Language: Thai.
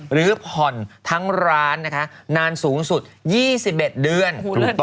หรือผ่อนทั้งร้านนะคะนานสูงสุด๒๑เดือน